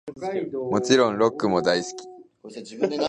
もちろんロックも大好き♡